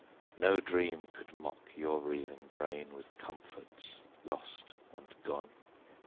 No dream could mock Your reeling brain with comforts lost and gone.